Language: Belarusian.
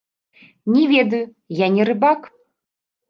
Не ведаю, я не рыбак.